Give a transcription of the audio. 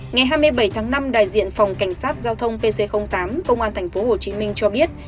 ngày hai mươi bảy tháng năm đại diện phòng cảnh sát giao thông pc tám công an tp hcm cho biết